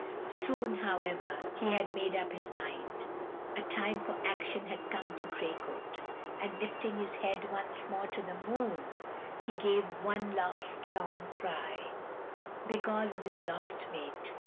Soon, however, he had made up his mind a time for action had come to Gray Coat; and lifting his head once more to the moon, he gave one last long cry, because of his lost mate.